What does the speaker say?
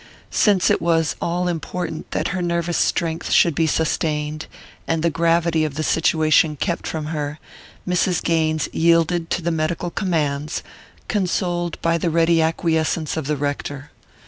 Since it was all important that her nervous strength should be sustained, and the gravity of the situation kept from her, Mrs. Gaines yielded to the medical commands, consoled by the ready acquiescence of the rector.